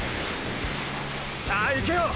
さぁいけよ！